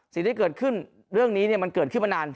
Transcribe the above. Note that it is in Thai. สิ่งที่เกิดขึ้นเรื่องนี้มันเกิดขึ้นมานาน